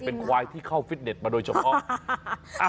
เป็นควายที่เข้าฟิตเน็ตมาโดยเฉพาะ